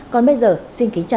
còn bây giờ xin kính chào